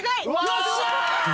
よっしゃ！